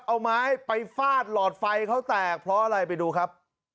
เอาไม้ไปฟาดหลอดไฟเขาแตกเพราะอะไรไปดูครับ